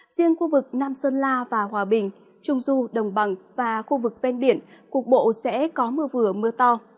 riêng khu vực nam sơn la và hòa bình trung du đồng bằng và khu vực ven biển cục bộ sẽ có mưa vừa mưa to